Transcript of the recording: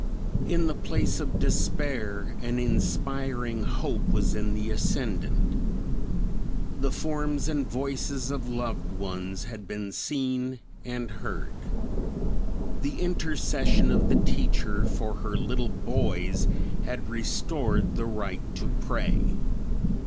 In the place of despair an inspiring hope was in the ascendant. The forms and voices of loved ones had been seen and heard. The intercession of the teacher for her little boys had restored the right to pray.